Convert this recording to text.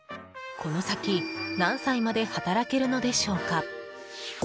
この先、何歳まで働けるのでしょうか。